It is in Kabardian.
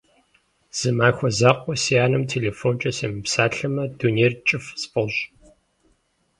Зы махуэ закъуэ си анэм телефонкӏэ семыпсэлъамэ, дунейр кӏыфӏ сфӏощӏ.